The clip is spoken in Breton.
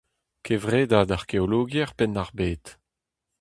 Kevredad arkeologiezh Penn-ar-Bed.